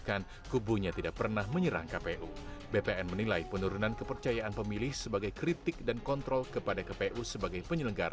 dan kpu kami berpikir positif bpn